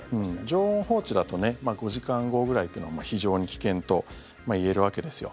常温放置だとね５時間後くらいというのは非常に危険といえるわけですよ。